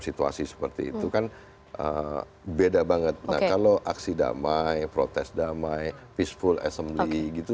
situasi seperti itu kan beda banget nah kalau aksi damai protes damai peaceful assembly gitu